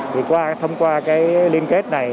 thì thông qua cái liên kết này